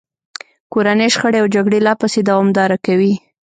کورنۍ شخړې او جګړې لا پسې دوامداره کوي.